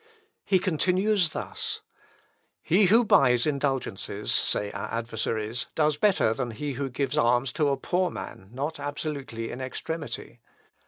He continues thus: "He who buys indulgences, say our adversaries, does better than he who gives alms to a poor man not absolutely in extremity.